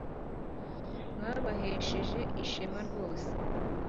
mwabahesheje ishema rwose